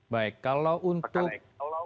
baik kalau untuk